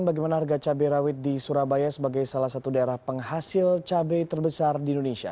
bagaimana harga cabai rawit di surabaya sebagai salah satu daerah penghasil cabai terbesar di indonesia